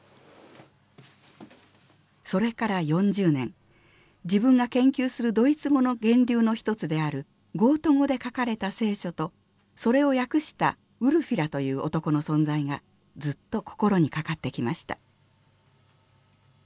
それから４０年自分が研究するドイツ語の源流の一つであるゴート語で書かれた聖書とそれを訳したウルフィラという男の存在がずっと心にかかってきました。